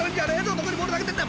［どこにボール投げてんだ！